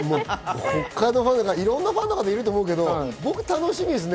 いろんなファンの方がいると思うけれども僕、楽しみですね。